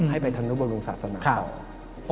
ให้ไปธนุบรุงศาสนาต่อ